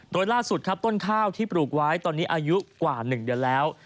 โดยล่าสุดครับต้นข้าวที่ปลูกไว้ตอนนี้อายุกว่า๑เดือนแล้ว